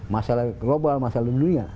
masalah global masalah dunia